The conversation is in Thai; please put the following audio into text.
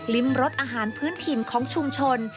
ริมรสอาหารพื้นถิ่นของชุมชน